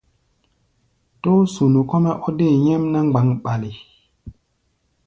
Tóó-sunu kɔ́-mɛ́ ɔ́ dée nyɛ́mná mgbaŋɓale.